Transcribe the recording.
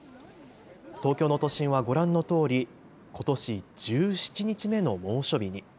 東京の都心はご覧のとおりことし１７日目の猛暑日に。